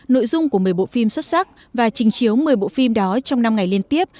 nội dung của một mươi bộ phim xuất sắc và trình chiếu một mươi bộ phim đó trong năm ngày liên tiếp